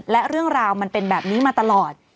และเรื่องราวมันเป็นแบบนี้มาตลอด